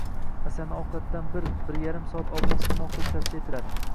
Asalni ovqatdan bir-bir yarim soat oldin iste’mol qilish tavsiya etiladi.